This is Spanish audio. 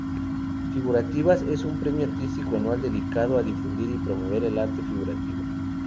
Figurativas es un premio artístico anual dedicado a difundir y promover el arte figurativo.